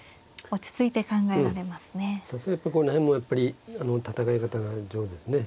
うんさすがやっぱこの辺もやっぱり戦い方が上手ですね。